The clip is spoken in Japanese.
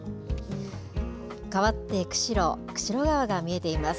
かわって釧路、釧路川が見えています。